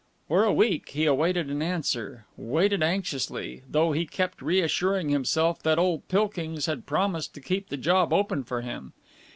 For a week he awaited an answer, waited anxiously, though he kept reassuring himself that old Pilkings had promised to keep the job open for him.